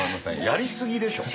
やりすぎでしょ。